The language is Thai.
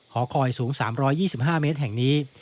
หอคอยสูง๓๒๕เมตรแห่งนี้